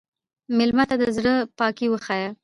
مېلمه ته د زړه پاکي وښیه.